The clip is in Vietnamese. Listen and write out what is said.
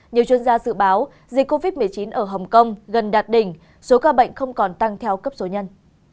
nhiều chuyên gia dự báo dịch covid một mươi chín ở hồng kông gần đạt đỉnh số ca bệnh không còn tăng theo cấp số nhân